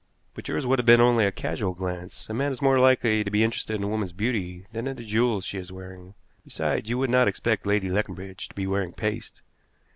"But yours would have been only a casual glance. A man is more likely to be interested in a woman's beauty than in the jewels she is wearing. Besides, you would not expect Lady Leconbridge to be wearing paste."